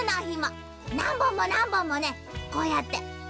なんぼんもなんぼんもねこうやって。